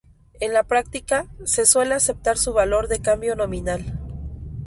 En la práctica, se suele aceptar su valor de cambio nominal.